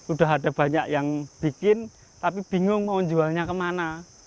udah ada banyak yang bikin tapi bingung mau jualnya kemana